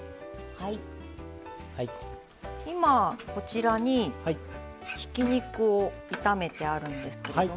今こちらにひき肉を炒めてあるんですけれども。